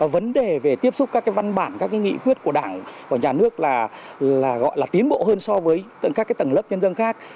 vấn đề về tiếp xúc các văn bản các nghị quyết của đảng và nhà nước là tiến bộ hơn so với các tầng lớp nhân dân khác